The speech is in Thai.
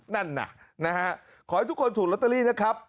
ขอให้ทุกคนถูกล็อตเตอรี่นะครับ